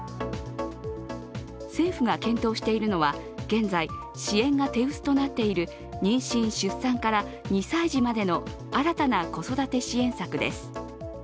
政府が検討しているのは現在、支援が手薄となっている妊娠・出産から２歳児までの新たな子育て支援策です。